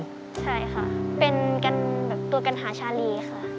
ใช่ค่ะเป็นตัวกันหาชาเลค่ะ